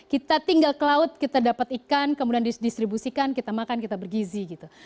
kita tinggal ke laut kita dapat ikan kemudian distribusikan kita makan kita bergizi gitu